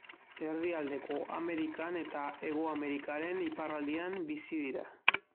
Erdialdeko Amerikan eta Hego Amerikaren iparraldean bizi dira.